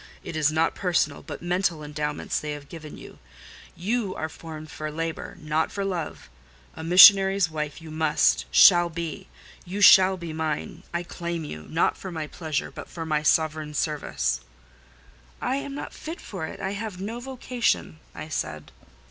It is not personal, but mental endowments they have given you: you are formed for labour, not for love. A missionary's wife you must—shall be. You shall be mine: I claim you—not for my pleasure, but for my Sovereign's service." "I am not fit for it: I have no vocation," I said.